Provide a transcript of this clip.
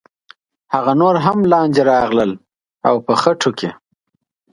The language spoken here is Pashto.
هغه نور هم لاندې راغلل او په خټو کې.